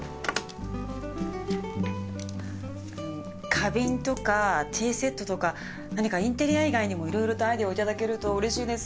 花瓶とかティーセットとか何かインテリア以外にもいろいろとアイデアをいただけるとうれしいです。